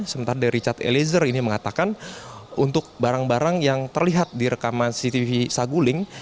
sementara dari richard eliezer ini mengatakan untuk barang barang yang terlihat di rekaman cctv saguling